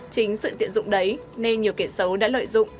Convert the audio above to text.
chính sự tiện dụng đấy nên nhiều kẻ xấu đã lợi dụng